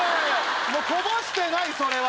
こぼしてないそれは！